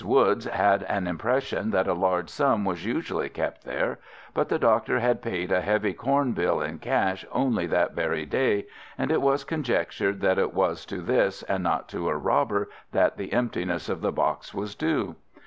Woods had an impression that a large sum was usually kept there, but the doctor had paid a heavy corn bill in cash only that very day, and it was conjectured that it was to this and not to a robber that the emptiness of the box was due.